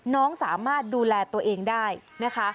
น้องสามารถดูแลตัวเองได้นะคะ